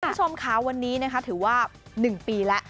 คุณผู้ชมค้าวันนี้ถือว่าหนึ่งปีและ